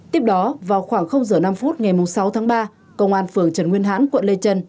tiếp đó vào khoảng h năm phút ngày sáu tháng ba công an phường trần nguyên hãn quận lê trân